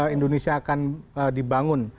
indonesia akan dibangun